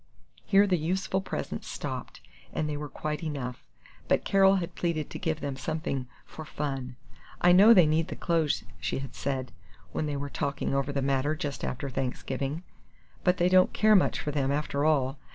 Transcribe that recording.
Here the useful presents stopped, and they were quite enough; but Carol had pleaded to give them something "for fun." "I know they need the clothes," she had said, when they were talking over the matter just after Thanksgiving, "but they don't care much for them, after all.